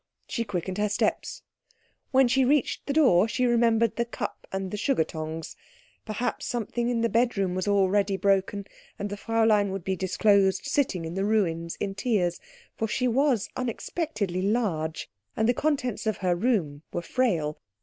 She quickened her steps. When she reached the door she remembered the cup and the sugar tongs. Perhaps something in the bedroom was already broken, and the Fräulein would be disclosed sitting in the ruins in tears, for she was unexpectedly large, and the contents of her room were frail.